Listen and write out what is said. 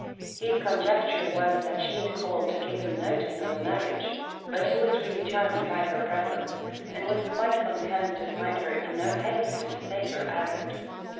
His conjecture was that she had called to give him notice of a marriage, but he was really charmed by her presence, and was quite content to find her in no haste to state her errand.